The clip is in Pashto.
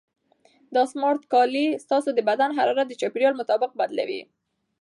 دا سمارټ کالي ستاسو د بدن حرارت د چاپیریال مطابق بدلوي.